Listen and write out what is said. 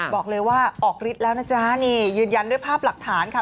บอกเลยว่าออกฤทธิ์แล้วนะจ๊ะนี่ยืนยันด้วยภาพหลักฐานค่ะ